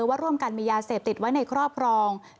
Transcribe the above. ว่าร่วมกันมียาเสพติดไว้ในครอบครอง